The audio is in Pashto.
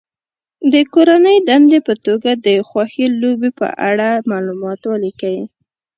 د کورنۍ دندې په توګه د خوښې لوبې په اړه معلومات ولیکي.